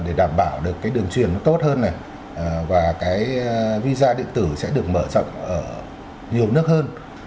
để đảm bảo được đường truyền tốt hơn và visa điện tử sẽ được mở rộng ở nhiều nước hơn